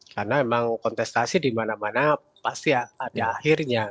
karena memang kontestasi dimana mana pasti ya ada akhirnya